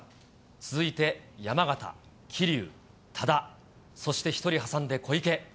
続いて山縣、桐生、多田、そして１人挟んで小池。